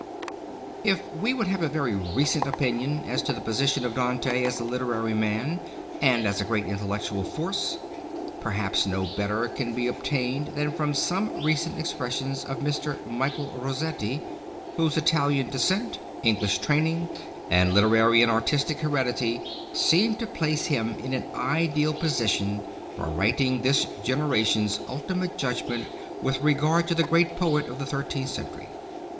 If we would have a very recent opinion as to the position of Dante as a literary man and as a great intellectual force, perhaps no better can be obtained than from some recent expressions of Mr. Michael Rossetti, whose Italian descent, English training, and literary and artistic heredity, seem to place him in an ideal position for writing this generation's ultimate judgment with regard to the great poet of the Thirteenth Century.